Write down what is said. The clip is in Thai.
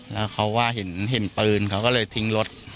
แล้วเขาว่าเห็นปืนเขาก็เลยทิ้งรถ